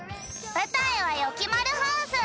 ぶたいはよきまるハウス。